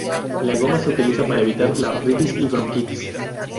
La goma se utiliza para evitar la artritis y bronquitis.